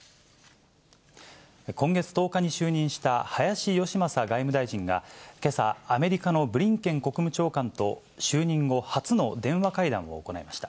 今月１０日に就任した林芳正外務大臣が、けさ、アメリカのブリンケン国務長官と、就任後初の電話会談を行いました。